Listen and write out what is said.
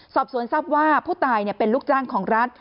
สอบสวนทรัพย์ว่าผู้ตายเป็นลูกจ้างของรัฐ